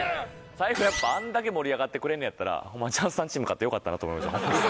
最後やっぱあんだけ盛り上がってくれんのやったらチャンスさんチーム勝ってよかったなと思いました